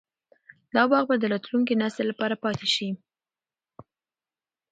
دا باغ به د راتلونکي نسل لپاره پاتې شي.